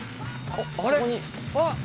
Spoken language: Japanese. あっ！